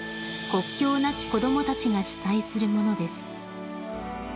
国境なき子どもたちが主催するものです］